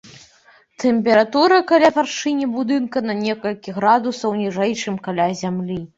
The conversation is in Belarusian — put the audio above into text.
Тэмпература каля вяршыні будынка на некалькі градусаў ніжэй, чым каля зямлі.